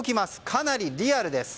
かなりリアルです。